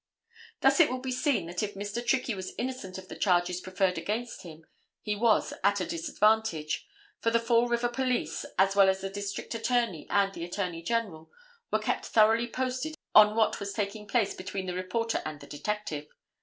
Thus it will be seen that if Mr. Trickey was innocent of the charges preferred against him he was at a disadvantage, for the Fall River police, as well as the District Attorney and the Attorney General were kept thoroughly posted on what was taking place between the reporter and the detective.